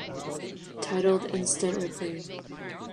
Titled Instant Replay!